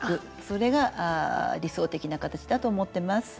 それが理想的な形だと思ってます。